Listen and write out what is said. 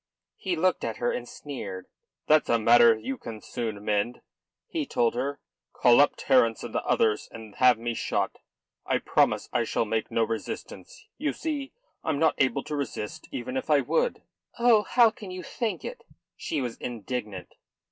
He looked at her and sneered. "That's a matter you can soon mend," he told her. "Call up Terence and the others and have me shot. I promise I shall make no resistance. You see, I'm not able to resist even if I would." "Oh, how can you think it?" She was indignant.